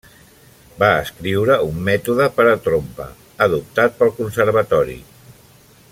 Va escriure un mètode per a trompa, adoptat pel Conservatori.